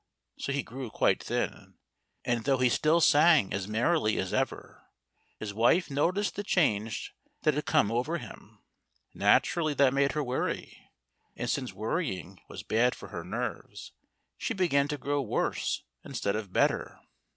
So he grew quite thin. And though he still sang as merrily as ever, his wife noticed the change that had come over him. Naturally, that made her worry. And since worrying was bad for her nerves, she began to grow worse instead of better.